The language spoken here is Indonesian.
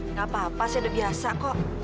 nggak apa apa saya udah biasa kok